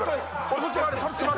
そっち回る、そっち回る。